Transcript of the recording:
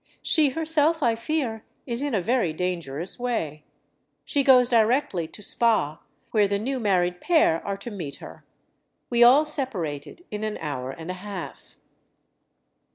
She herself, I fear, is in a very dangerous way. She goes directly to Spa, where the new married pair are to meet her. We all separated in an hour and a half."